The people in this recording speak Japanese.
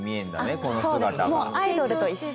この姿が。